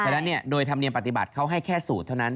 ฉะนั้นโดยธรรมเนียมปฏิบัติเขาให้แค่สูตรเท่านั้น